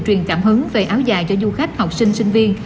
truyền cảm hứng về áo dài cho du khách học sinh sinh viên